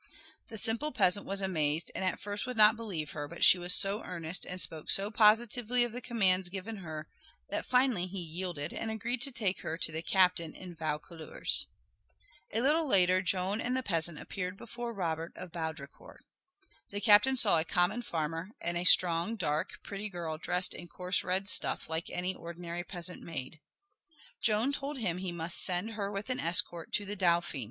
The simple peasant was amazed and at first would not believe her, but she was so earnest and spoke so positively of the commands given her that finally he yielded and agreed to take her to the captain in Vaucouleurs. A little later Joan and the peasant appeared before Robert of Baudricourt. The captain saw a common farmer and a strong, dark, pretty girl dressed in coarse red stuff like any ordinary peasant maid. Joan told him he must send her with an escort to the Dauphin.